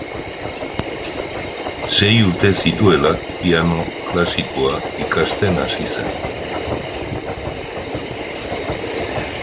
Sei urte zituela piano klasikoa ikasten hasi zen.